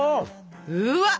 うわっ